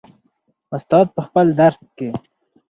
استاد په خپل درس کې.